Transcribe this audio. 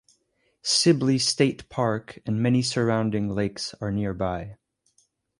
Sibley State Park and many surrounding lakes are nearby.